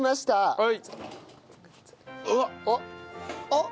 あっ。